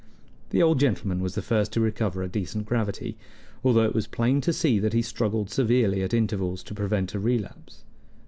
The old gentleman was the first to recover a decent gravity, although it was plain to see that he struggled severely at intervals to prevent a relapse.